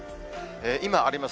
今あります